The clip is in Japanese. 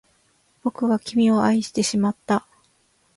僕は君を愛してしまった